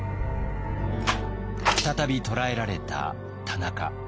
再び捕らえられた田中。